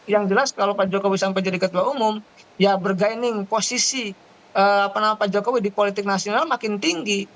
yang jelas kalau pak jokowi sampai jadi ketua umum ya berguining posisi pak jokowi di politik nasional makin tinggi